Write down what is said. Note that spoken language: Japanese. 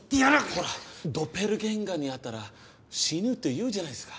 ほらドッペルゲンガーに会ったら死ぬって言うじゃないですか！